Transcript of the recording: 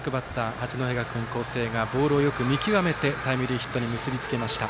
八戸学院光星がボールをよく見極めてタイムリーヒットに結び付けました。